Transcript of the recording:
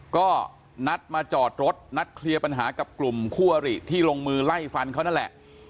ก็นัดมาจอดรถนัดเคลียร์ปัญหากับกลุ่มคู่อริที่ลงมือไล่ฟันเขานั่นแหละ